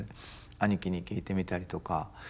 兄貴に聞いてみたりとか。